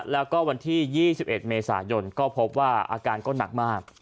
แล้วก็วันที่๒๑เมษายนก็พบว่าอาการก็หนักมาก